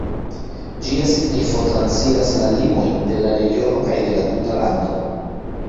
Ĝia signifo transiras la limojn de regiono kaj de la tuta lando.